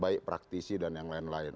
baik praktisi dan yang lain lain